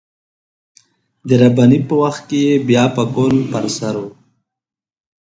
د رباني په وخت کې يې بيا پکول پر سر و.